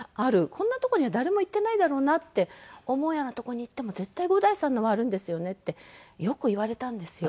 「こんなとこには誰も行ってないだろうなって思うようなとこに行っても絶対伍代さんのはあるんですよね」ってよく言われたんですよ。